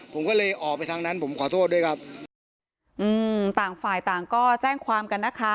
ผมก็เลยออกไปทางนั้นผมขอโทษด้วยครับอืมต่างฝ่ายต่างก็แจ้งความกันนะคะ